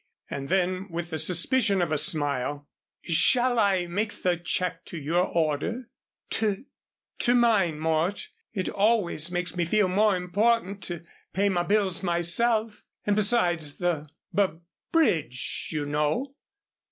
And then, with the suspicion of a smile, "Shall I make a check to your order?" "To to mine, Mort it always makes me feel more important to pay my bills myself and besides the bub bridge, you know."